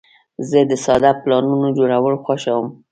زه د ساده پلانونو جوړول خوښوم.